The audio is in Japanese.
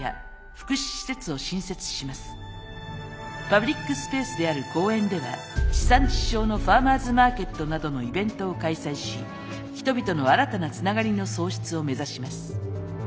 パブリックスペースである公園では地産地消のファーマーズマーケットなどのイベントを開催し人々の新たなつながりの創出を目指します。